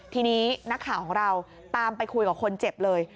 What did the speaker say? ทีนี้นักข่าวของเราตามไปคุยกับคนเจ็บเลย